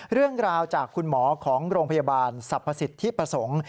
เรื่องราวจากคุณหมอของโรงพยาบาลสรรพสิทธิประสงค์